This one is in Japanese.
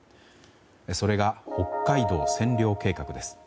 それが北海道占領計画です。